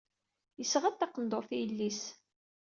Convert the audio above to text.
Yesɣa-d taqendurt i yelli-s.